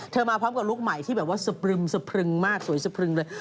มาพร้อมกับลูกใหม่ที่แบบว่าสะพรึมสะพรึงมากสวยสะพรึงเลย